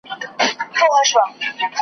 د ښکاري په لاس چاړه وه دم درحاله .